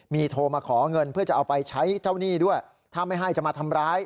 มีโทรมาขอเงินเพื่อจะเอาไปใช้เจ้าหนี้ด้วยถ้าไม่ให้จะมาทำร้าย